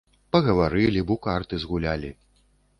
Пагаварылі б, у карты згулялі.